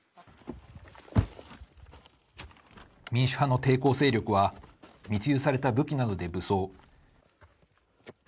民主派の抵抗勢力は密輸された武器などで武装。